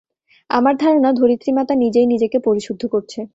আমার ধারণা, ধরিত্রিমাতা নিজেই নিজেকে পরিশুদ্ধ করছে।